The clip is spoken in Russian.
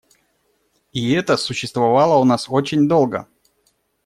И это существовало у нас очень долго.